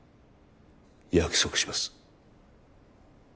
約束します